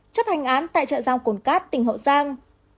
chấp hành án tại chợ giao cồn cát tỉnh hậu giang